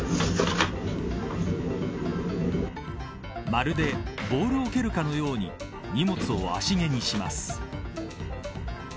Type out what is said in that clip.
まるでボールを蹴るかのように荷物を足蹴にします。